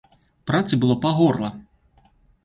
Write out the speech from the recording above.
Працы было па горла!